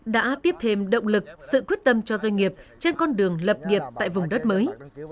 đã tiếp thêm động lực sự quyết tâm cho doanh nghiệp trên con đường lập nghiệp tại vùng đất mới